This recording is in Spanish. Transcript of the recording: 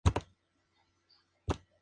Industrial Alcohol Co.